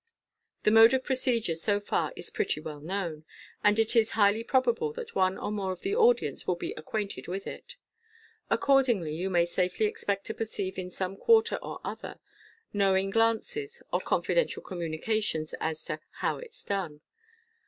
The mode of procedure so far is pretty well known, and it is highly probable that one or more of the audience will be acquainted with it. Accordingly, you may safely expect to perceive in some quarter or other, knowing glances, or confidential communications as to "how it's done.''